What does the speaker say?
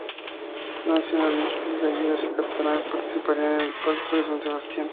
Nacionalistas gallegos y catalanes participarían en el Pacto de San Sebastián.